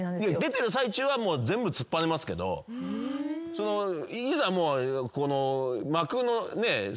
出てる最中はもう全部突っぱねますけどいざ。